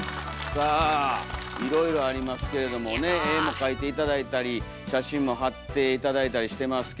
さあいろいろありますけれどもね絵も描いて頂いたり写真も貼って頂いたりしてますけども。